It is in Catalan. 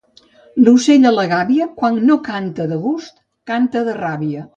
L'ocell a la gàbia, quan no canta de gust, canta de ràbia.